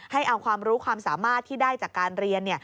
ให้เอาความรู้ความสามารถที่ได้จากการเรียน